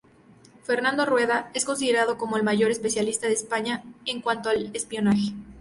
Fernando Rueda es considerado como el mayor especialista de España en cuanto al espionaje.